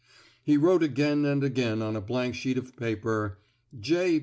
He wrote again and again on a blank sheet of paper, J.